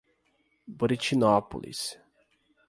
Buritinópolis